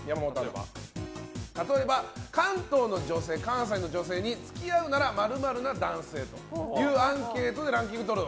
例えば、関東の女性関西の女性に付き合うなら○○な男性というランキングでアンケートをとる。